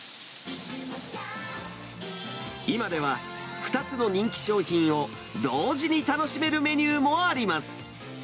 今では、２つの人気商品を同時に楽しめるメニューもあります。